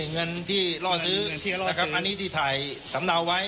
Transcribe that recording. เงินที่ล่อซื้อนะครับอันนี้ที่ถ่ายสำเนาไว้